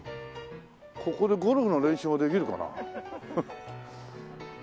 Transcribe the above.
ここでゴルフの練習もできるかな？